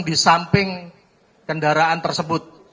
di samping kendaraan tersebut